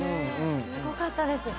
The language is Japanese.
すごかったです。